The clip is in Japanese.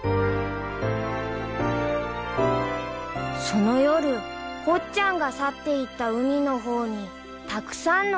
［その夜ほっちゃんが去っていった海の方にたくさんの星が流れたのだ］